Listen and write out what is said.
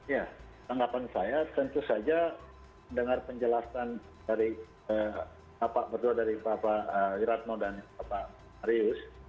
ya tanggapan saya tentu saja mendengar penjelasan dari bapak iratno dan bapak marius